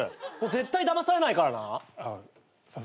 絶対だまされないからな。